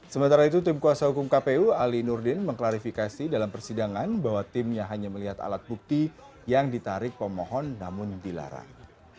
sementara itu tim kuasa hukum kpu ali nurdin mengklarifikasi dalam persidangan bahwa timnya hanya melihat alat bukti yang ditarik pemohon namun dilarang